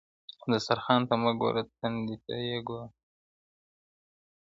دسترخان ته مه گوره، تندي ته ئې گوره.